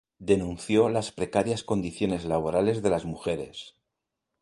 Denunció las precarias condiciones laborales de las mujeres.